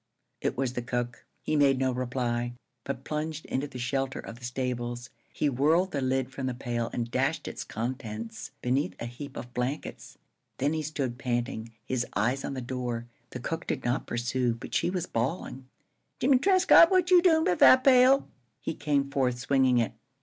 It was the cook. He made no reply, but plunged into the shelter of the stables. He whirled the lid from the pail and dashed its contents beneath a heap of blankets. Then he stood panting, his eyes on the door. The cook did not pursue, but she was bawling: "Jimmie Trescott, what you doin' with that pail?" He came forth, swinging it.